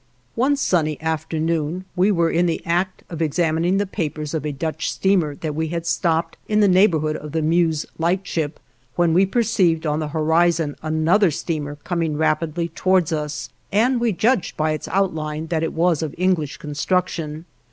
One sunny afternoon, we were in the act of examining the papers of a Dutch steamer that we had stopped in the neighborhood of the Meuse Lightship, when we perceived on the horizon another steamer coming rapidly towards us, and we judged by its outline that it was of English construction.